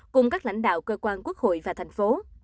cùng các lãnh đạo cơ quan quốc hội và thành phố